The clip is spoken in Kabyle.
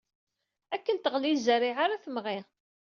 Akken teɣli zzerriɛa ara temɣi.